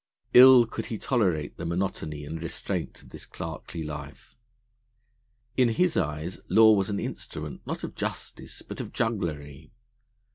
Ill could he tolerate the monotony and restraint of this clerkly life. In his eyes law was an instrument, not of justice, but of jugglery.